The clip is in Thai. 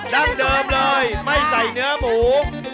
ดั้งเดิมเลยไม่ใส่เนื้อหมู